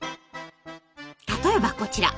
例えばこちら。